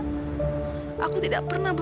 maaf beberapa kali